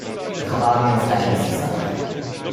"Wychowałam ją w takich zasadach."